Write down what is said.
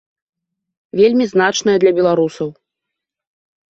Вельмі значная для беларусаў.